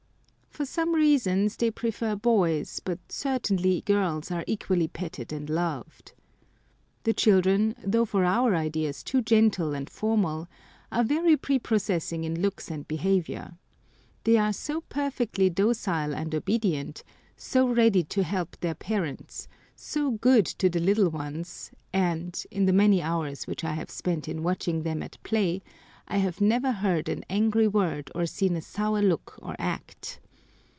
For some reasons they prefer boys, but certainly girls are equally petted and loved. The children, though for our ideas too gentle and formal, are very prepossessing in looks and behaviour. They are so perfectly docile and obedient, so ready to help their parents, so good to the little ones, and, in the many hours which I have spent in watching them at play, I have never heard an angry word or seen a sour look or act.